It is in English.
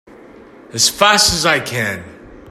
As fast as I can!